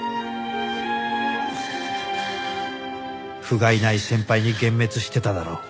ふがいない先輩に幻滅してただろう。